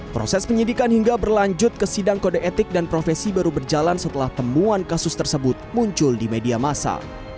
proses penyidikan hingga berlanjut ke sidang kode etik dan profesi baru berjalan setelah temuan kasus tersebut muncul di media masa